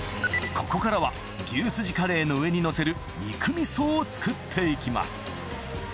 ここからは牛すじカレーの上にのせる肉みそを作っていきます。